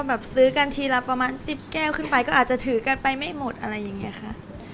แบบซื้อกันทีละประมาณ๑๐แก้วขึ้นไปก็อาจจะถือกันไปไม่หมดอะไรอย่างนี้ค่ะ